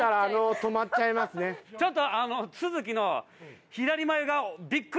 ちょっと。